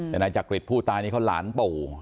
แต่นายจักริตผู้ตายนี่เขาหลานปู่